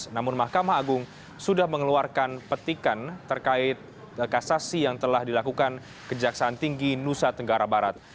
namun mahkamah agung sudah mengeluarkan petikan terkait kasasi yang telah dilakukan kejaksaan tinggi nusa tenggara barat